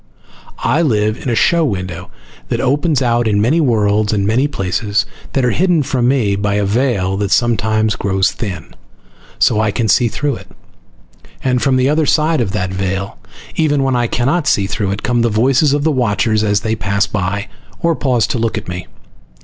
I live in a show window that opens out in many worlds and many places that are hidden from me by a veil that sometimes grows thin, so I can see through it. And from the other side of that veil, even when I cannot see through it, come the voices of the watchers, as they pass by, or pause to look at me.